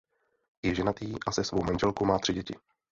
Je ženatý a se svou manželkou má tři děti.